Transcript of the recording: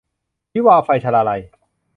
วิวาห์ไฟ - ชลาลัย